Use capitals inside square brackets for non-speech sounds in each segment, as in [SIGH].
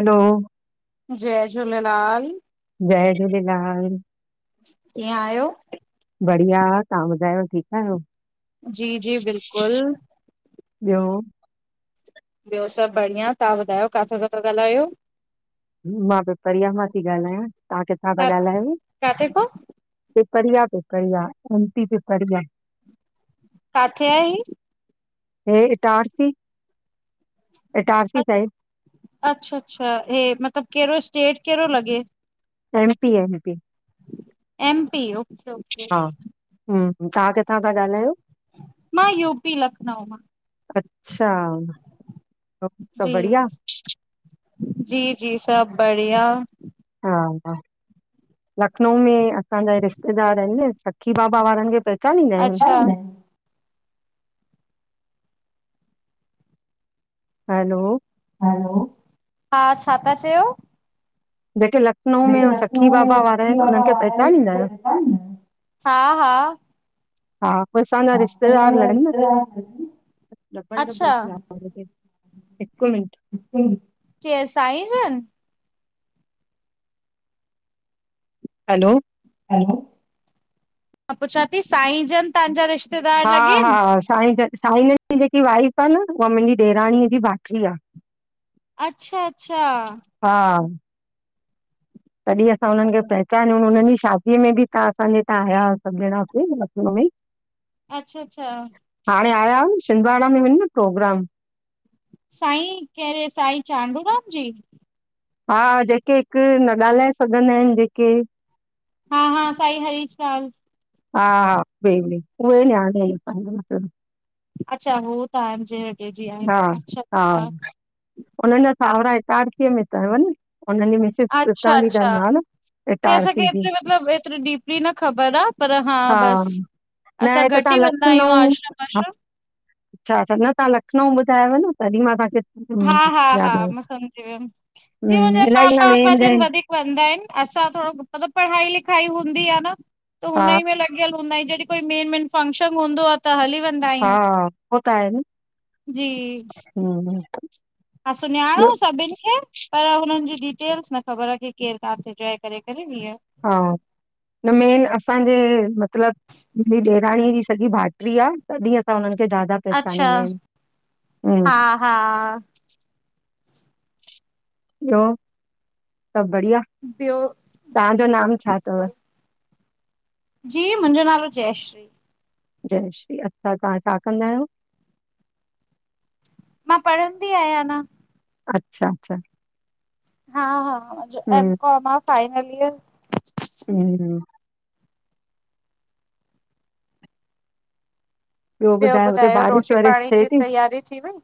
हलो, जय झूलेलाल। जय झूलेलाल। कीअं आयो? बढ़िया, तव्हां ॿुधायो ठीकु आयो? जी-जी बिलकुल ॿियो? ॿियो सभ बढ़िया, तव्हां ॿुधायो काथा था ॻाल्हायो? मां पिपरिया मां थी ॻाल्हायां, तहां किथां था का ॻाल्हायो? काथे खां, पिपरिया-पिपरिया एम पी पिपरिया काथे आहे हीअ? हे इटारसी, इटारसी साईड। अच्छा-अच्छा, हे मतलब कहिड़ो स्टेट कहिड़ो लॻे? M P M P M P, okay okay हा, तव्हां किथां था ॻाल्हायो? मां यूपी लखनऊ मां अच्छा, सभु बढ़िया? जी-जी सब बढ़िया हा-हा लखनऊ में असांजा रिश्तेदार आहिन न, सखी बाबा वारनि खे पहचानींदा आहियो? अच्छा हैलो हैलो, हा छा था चयो? बेटे लक् [INAUDIBLE] हेॾे लखनऊ में सखी बाबा वारा पहचानींदा आहियो? आहिन ना, हा - हा हा पो असांजा रिश्तेदार हा, लगन ना रिश्तेदार आहिनि डबल-डबल ती अच्छा आवाज़ अचे, हिकु मिन्ट केर साईं जन? हैलो हैलो, मां पुछा थी साईंजन तांजा रिश्तेदार लॻे हा-हा आहिनि? साईं जन साईंन जी जेकी वाइफ आ न, उहा मुंहिंजी ॾेराणीअ जी भाट्री आ। अच्छा अच्छा हा तॾहिं असां हुननि खे पहचानियूं हुनन जी शादीअ में बि, तव्हां असांजे हितां आया हुया सभ ॼणा लखनऊ में [INAUDIBLE] अच्छाअच्छा हाणे आया न शिंदवारा में हुयुन प्रोग्राम साईं कहिड़ेे, साईं चांडू राम जी? हा जेके हिकु न ॻाल्हाए सघंदा आहिन जेके हा-हा साईं हरीश लाल हा हा वेई वेई न्याणे आ म [UNINTELLIGIBLE] अच्छा हू त्हाजे अगे जी आ हुनन जा सावरा इटारसी में तव न, उन्हन जी मिसिस अच्छा हितांजी आ अच्छा न हे इटारसी जी असांखे मतलब एतरी डीपली न ख़बर आ पर हा बस न हित तव्हां लखनऊ वाश्रम अच्छा न तव्हां लखनऊ ॿुधायोव न तॾहिं मां तव्हांखे हम्म हा-हा-हा, यादि आयो मां सम्झी वियमि जीअ हम्म मुंहिंजा इलाही न पापा पपा वेंदा जन आहिनि वधीक कंदा आहिन असां थोरो मतलब पढ़ाई लिखाई हूंदी आ न त हा हुन ई में लग्यल हूंदा आहयू, जॾी कोई मेन-मेन फंक्शन हूंदो आ त हली वेंदा हा आहियूं, उहो जी हम हा, सुञाणो सभिन खे पर हुनन जी डिटेल्स न ख़बर आ, की केर काथे जो आहे करे करे हिय हा न मेन असांॼे मतिलब मुंजी ॾेराणींअ ॼी सॻी भाट्री आ तॾी असां हुननि खे ज्यादा अच्छा पहिचानींदायुन उन्हन हा खे हा ॿियो, सब ॿढ़िया? ॿियो ताहांजो जी नाम छा थव? जी मुंजो नालो जयश्री। जय श्री, अच्छा तहां छा कंदा आयो? मां पढ़ंदी आहियां अंञां। अच्छा- अच्छा हा- हा, मुंॼो हम्म एम काम आ‌ फाइनल इयर। हम्म ॿियो ॿुधायो, हुते ॿारिश रोटी वरिश पाणी थे जी ती? तैयारी थी वई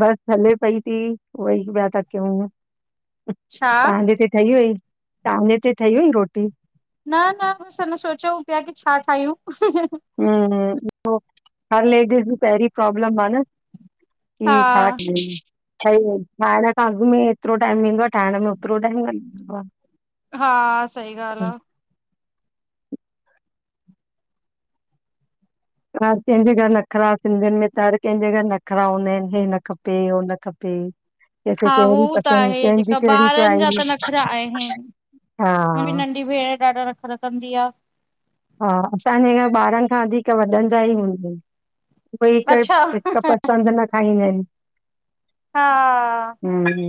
बस हले पईती, उव्हई पिया ता कयुं। छा तहांॼे हिते ठही वई, तहांॼे हिते ठही वई रोटी? न न ॿस अंञां सोचउं प्या कि छा ठायूं? हुं हुं उहो हर लेडीज़ ॼी पहिरी प्रोब्लम आ न। ठ हा [UNINTELLIGIBLE] ठाक ठही वई, ठाहिण खां अॻु में एतिरो टाइम वेंदो आ, ठाहिण में ओतिरो टाइमं न इंदो आ। हा, सही ॻाल्हि आ। हर कैंॼे घर नख़रा, सिंधियुनि में त हर कैंॼे घर नखरा हुंदा आइन, हे न खपे, हो न खपे। कंहिंखे हा हू कहिड़ी त पसंद, आहे कंहिंॼी जेका कहिड़ी च्वाइॼ। मुंॼी नंढी भेंण ॾाढा नखरा कंदी आ। हा असांॼे घर ॿारनि खां वधीक वॾनि ॼा ही हुंदा इन। उव्ई, हिक अच्छा हिक पसंद न खाईंदा आइन। हा हम्म,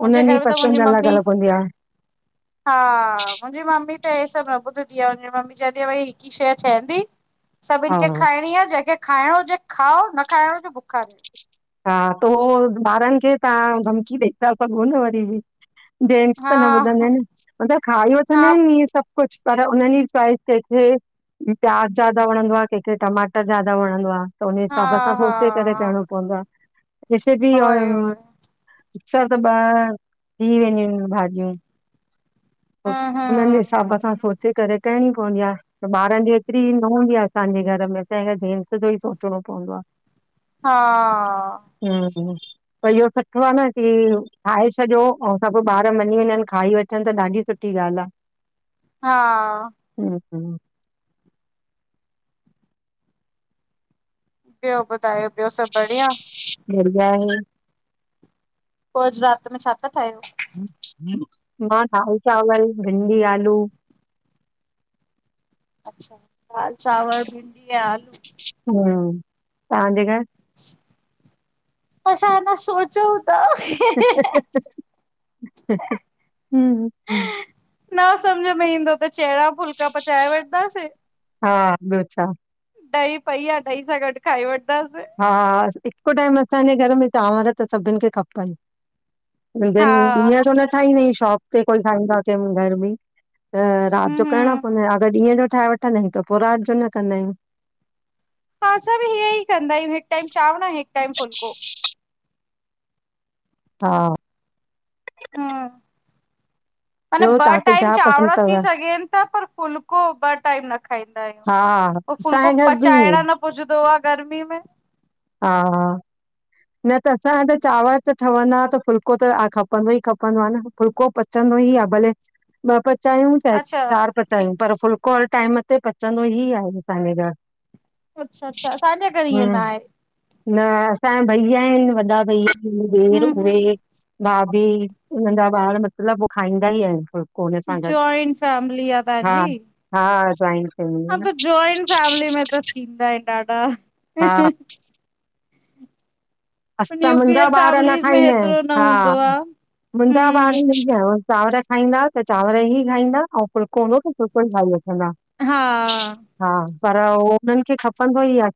मुंहिंजे उन्हन घर ॼी में त मुंहिंजी पसंद अलॻि मम्मी अलॻि हुंदी आ। हा मुंजी मम्मी त हे सभु न ॿुधदी आ, मुंजी मम्मी चवंदी आ भई हिकु इ शै ठहंदी। [INAUDIBLE] सभिन खे खांइंणी आ, जंहिंखे खांइंणो हुॼे खाओ न खाइंणों हुॼे बुक्खा रहे। हा तो उहो ॿारनि खे तहां धमकी ॾई ता सघो न वरी ॿि। ॼेन्ट्स हा त न ॿुधंदाइन न, मतलब खाई हा वठन्दा इन इएं सब कुछु पर उन्हनि ई चॉइस ते थे। प्याज ज्यादा वणंदो आ, कैंखे टमाटर ज्यादा वणंदो आ। त उन्हें हा हिसाब सां हा सोचे करे करणों पअंदो आ। हिते ॿि अ उहोई उहोई अक्सर त ॿ थी वेंदियूं आइन भाॼियूं। पो हम्म उननि ॼे हम्म हिसाब सां सोचे करे ठाएंणी पअंदी आ। त ॿारनि जी एतिरी न हुंदी आ असांॼे घर में, असांॼे घर जेेंट्स ॼो ई सोचणों पवंदो आ। हा हु हुं त इहो सुठो आ न कि ठाहे छॾियो अंउ सब ॿार मंञीं वंञंन, खाई वठन त ॾाढी सुठी ॻाल्हि आ। हा हुं हुं ॿियो ॿुधायो, ॿियो सभु बढ़िया? बढ़िया आहे। पो अॼु राति में छा ता ठाहियो? मां दाल चावल भिंडी आलू अच्छा, दाल चांवर भिंडी ऐं आलू हा, तव्हांजे घर? असां अना सोचयऊ ता हम न सम्झ में ईंदो त चहिरा फुल्का पचाए वठंदासीं हा, ॿियो छा ॾही पई आ ॾही सां गॾु खाई वठंदासीं हा, हिकु टाइम असांजे घर में चांवर त सभिनि खे खपनि हा मझनि ॾींहं जो न ठाहींदा आहियूं शॉप ते कोई खाईंदो आ कोई घर में त राति जो हम करिणा हम पवंदान अगरि ॾींहं जो ठाहे वठंदा आहियूं त पो राति जो न कंदा आहियूं। हा असां बि हीअ ई कंदा आहियूं हिकु टाइम चांवर, हिकु टाइम फुलको हा मना ॿियो ॿ तव्हांखे टाइम छा चांवर पसंदि थी अथव? सघनि ता पर फुल्को ॿ टाइम न खाईंदा आहियूं हा, उ फूलको असांजे घर बि ईअं पचाइणा न पुजदो आ गर्मी में हा न त असांजा त चांवर त ठहंदा त फुल्को त खपंदो ई खपंदो आ न फुल्को पचंदो ई आ भले ॿ पचायूं चाहे अच्छा चार पचायूं पर फुलको हर टाइम ते पचंदो ई आहे असांजे घर अच्छा अच्छा असांजे घर ईय न हम्म आहे। न असांजा भईया आहिनि वॾा भई आहिनि ॾेर हूं उहे हूं भाभी हुन जा ॿार मतिलब हो खाईंदा ई आहिनि फुलको उन सां गॾु जॉइंट फैमिली आ हा तव्हांजी हा, जॉइंट फेमिली हा आ न त जॉइंट फैमिली में त थींदा आहिनि ॾाढा [INAUDIBLE] हा असां मुंहिंजा न्यूक्लियर ॿार न फैमिलीज़ में खाईंदा आहिनि हेतिरो न हा, हूंदो आ मुंहिंजा हूं ॿार चांवर खाईंदा त चांवर ई खाईंदा ऐं फुलको हूंदो त फुलको ई खाई वठंदा हा हा, पर उननि खे खपंदो ई आ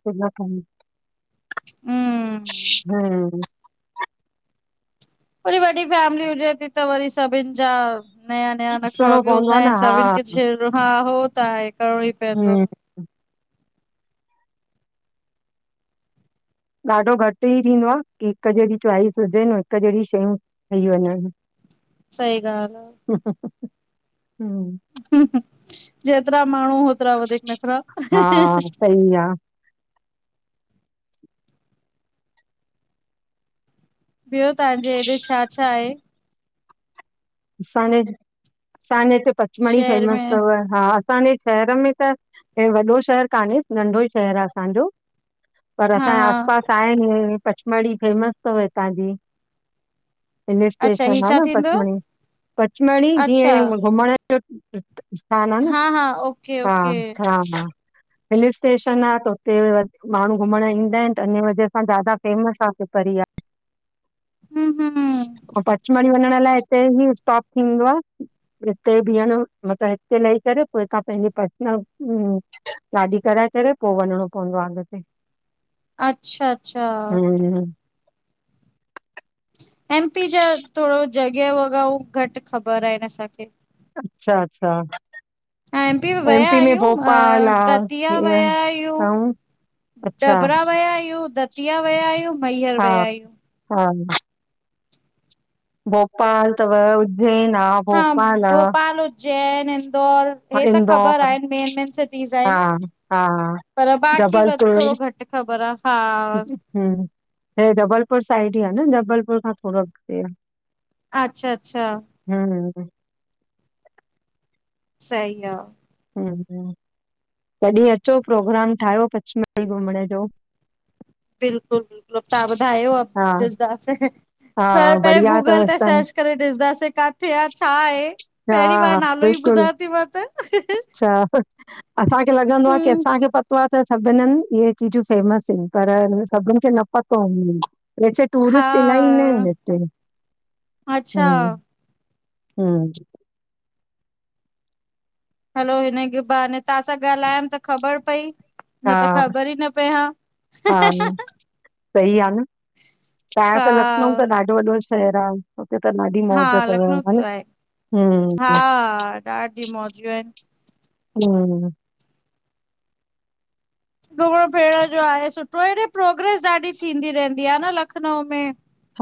हम हम वरी वॾी फैमिली हुजे थी त वरी सभिनि जा नया नया नखरा ॾिसणो बि पवंदो हूंदा आहे न आहिनि हा सभिनि खे, हा हो त आहे करिणो ई पवंदो हम्म ॾाढो घटि ई थींदो आ की हिक जहिड़ी चॉइस हुजेनि हिक जहिड़ी शयूं अह आहे न [INAUDIBLE] सई ॻाल आ। हम जेतिरा माण्हू होतिरा वधीक नखरा सई आ ॿियो तव्हांजे हेॾे छा छा आहे? असांजे असांजे हिते पचमडी शहर फेमस में तव हा असांजे शहर में त हे वॾो शहरु कान्हे नंढो ई शहर आ असांजो पर हा असांजे हा आस पासि आहिन पचमड़ी फेमस तव हितां जी हिल अच्छा स्टेशन ही आ छा न थींदो? पचमडी, पचमडी अच्छा जीअं घुमण सान न हा हा ओके हा ओके ह हा [UNINTELLIGIBLE] हिल स्टेशन आह त उते माण्हू घुमण ईंदा ईन त इन वजह सां ज्यादा। फेमस आह पिपरीया। हूं हूं पचमड़ी वञण लाइ हिते ई स्टॉप थींदो आह। हिते बीहण मतलब हिते लही करे पो हितां पेंजी पर्सनलम गाॾी कराए करे पो वञणो पवंदो आह अॻते। अच्छा अच्छा। हुं। एमपी जा थोरो जॻह वॻा हू घट ख़बर एन असांखे। अच्छा अच्छा। एम पी वया एमपी में आयूं, अ भोपाल आ दतिया वया हीअं आयूं। ऐं अच्छा दबरा वया आयूं, दतिया वया आयूं, मैयर हा वया आयूं। हा। भोपाल तव, उज्जैन आ। हा भोपाल आ, भोपाल, उज्जैन, [UNINTELLIGIBLE] इंदौर हे त ख़बर इंदौर आहिनि मेन मेन सिटीज़ हा। आहिनि। हा। पर बाक़ी वध जबलपुर थोरो घट ख़बर आ, हा। हूं हे जबलपुर साइड ई आह न, जबलपुर खां थोरो अॻते आ। अच्छा अच्छा। हूं हूं। सई आ। हूं, कॾहिं अचो, प्रोग्राम ठायो पचमड़ी घुमण जो। बिल्कुल बिल्कुल, तव्हां ॿुधायो अ हा डिसदां से। हा [UNINTELLIGIBLE] बढ़िया गूगल अथव ते स्थान सर्च करे ॾिसंदासे काथे आ, छाहे। हा हा बिल्कुल, अच्छा ह, असांखे लॻंदो आह की हम्म असांखे प पतो त सभिनन हंध इहे चीजूं फेमस ईन, पर सभिनि खे न पतो ई। वेसे हा टूरिस्ट इलाई इंदा ईन हिते, अच्छा हूं। हूं। हलो हिन ग बहाने तव्हां सां ॻाल्हायम त ख़बर पई। न त हा ख़बर ई न पए हां। हा तआं त लखनऊ त ॾाढो वॾो शहर आ। हुते त ॾाढी हा मौज तव, लखनऊ ह त न हूं। ॾाढि मौजू एन। हूं। घुमण फिरण जो आहे सुठो, हेडे प्रोग्रेस ॾाढी थींदी रहंदी आ न लखनऊ में।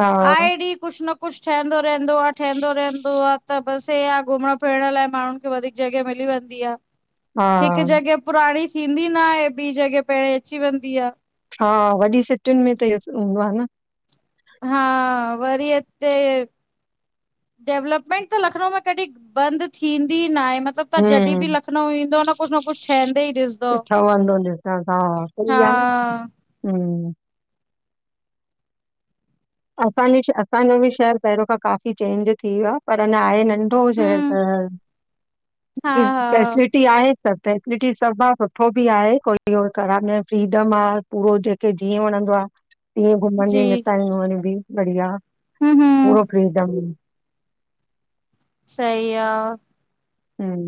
हा आए ॾीह कुझ न कुझ ठहंदो रहंदो आ, ठहंदो रहंदो आ त बस हे हा घुमण फिरण लाइ माण्हुन खे वधीक जॻह मिली वेंदी आ, हिक हा जॻह पुराणी थींदी न आहे, ॿी जॻह पहरे अची वेंदी आ। हा वॾी सिटिन में त इहो हूंदो आ न। हा, वरी हिते डेवलपमेंट त लखनऊ में कॾहिं बंद थींदी ना आहे मतलब त जॾहिं ॿि हम्म लखनऊ ईंदो न त कुझ न कुझ ठहंदे ई ॾिसंदो। व [INAUDIBLE] ह हा सई आ न, हूं। असांजे असांजो ॿि शहर पहरो खां काफ़ी चेंज थी वियो आ, पर अञा आहे नंढो शहर हम्म त। हा हा फैसिलिट [INAUDIBLE] आहे, सब फैसिलिटी सब आहे सुठो ॿि आहे कोई खराब न, फ्रीडम आ। उहो जेंखे जीअं वणंदो आ तीअं घुमण जी नितायूं ॿि बढ़िया, हम्म पूरो हम्म फ्रीडन। सई आ। हम [UNINTELLIGIBLE]